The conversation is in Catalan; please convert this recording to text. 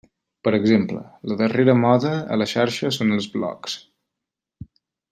Per exemple: la darrera moda a la xarxa són els blogs.